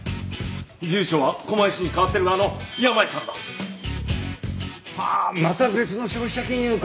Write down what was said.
住所は狛江市に変わってるがあの山家さんだ！はあまた別の消費者金融か。